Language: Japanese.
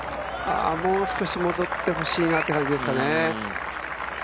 もう少し戻ってほしいなって感じですかね。